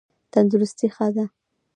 تندرستي ښه ده.